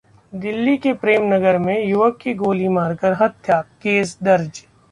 दिल्ली के प्रेम नगर में युवक की गोली मारकर हत्या, केस दर्ज